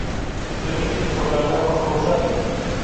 د رښتیني سوداګر مخ روښانه وي.